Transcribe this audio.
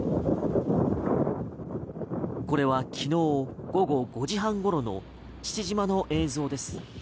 これは昨日午後５時半ごろの父島の映像です。